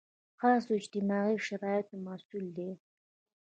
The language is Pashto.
خاصو اجتماعي شرایطو محصول دی.